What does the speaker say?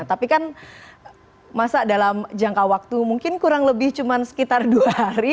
tapi kan masa dalam jangka waktu mungkin kurang lebih cuma sekitar dua hari